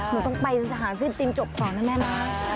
หนูต้องไปหาสิ้นตีนจบของนะแม่น้า